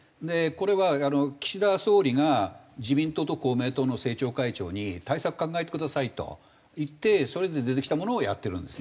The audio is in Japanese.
これは岸田総理が自民党と公明党の政調会長に対策考えてくださいと言ってそれで出てきたものをやってるんですね。